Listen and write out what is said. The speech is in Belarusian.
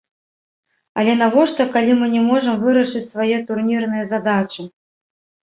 Але навошта, калі мы не можам вырашыць свае турнірныя задачы.